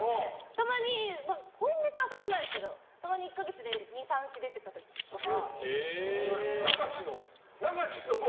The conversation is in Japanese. たまに今月はそんなないですけどたまに１か月で２３誌出てたりとか。